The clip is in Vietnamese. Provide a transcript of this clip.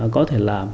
có thể làm